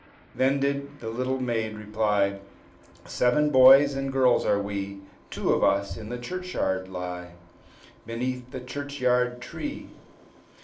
Then did the little maid reply, "Seven boys and girls are we; Two of us in the churchyard lie, Beneath the churchyard tree."